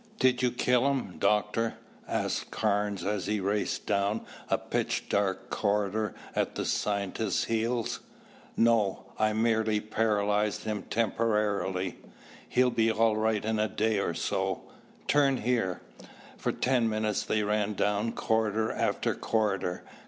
"Did you kill him, Doctor?" asked Carnes as he raced down a pitch dark corridor at the scientist's heels. "No, I merely paralyzed him temporarily. He'll be all right in a day or so. Turn here." For ten minutes they ran down corridor after corridor.